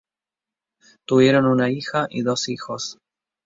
Tuvieron una hija y dos hijos.